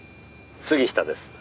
「杉下です」